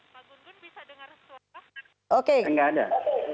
pak gun gun bisa dengar suara